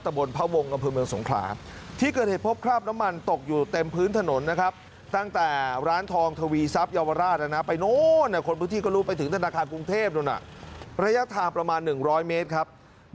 ตะบนพาวงก็คือมืองสงขลาที่เกิดเหตุพบคราบน้ำมันตกอยู่เต็มพื้นถนนนะครับ